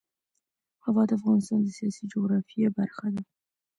هوا د افغانستان د سیاسي جغرافیه برخه ده.